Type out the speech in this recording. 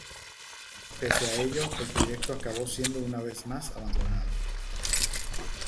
Pese a ello, el proyecto acabó siendo una vez más abandonado.